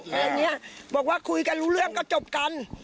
แบบนี้บอกว่าคุยกันรู้เรื่องก็จบกัน